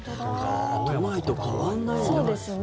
都内と変わらないんだ。